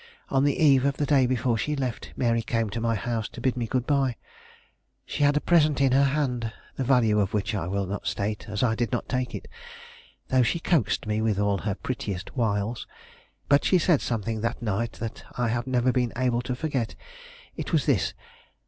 On the eve of the day before she left, Mary came to my house to bid me good by. She had a present in her hand the value of which I will not state, as I did not take it, though she coaxed me with all her prettiest wiles. But she said something that night that I have never been able to forget. It was this.